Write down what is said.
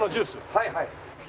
はいはい。